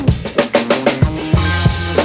nggak ada yang denger